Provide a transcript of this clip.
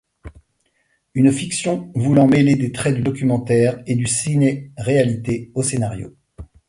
Une fiction voulant mêler des traits du documentaire et du ciné-réalité au scénario.